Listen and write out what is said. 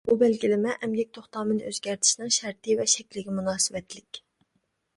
بۇ بەلگىلىمە ئەمگەك توختامىنى ئۆزگەرتىشنىڭ شەرتى ۋە شەكلىگە مۇناسىۋەتلىك.